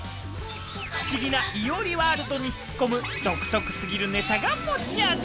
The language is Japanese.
不思議ないおりワールドに引き込む、独特すぎるネタが持ち味。